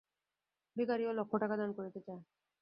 ভিখারীও লক্ষ টাকা দান করিতে চায়।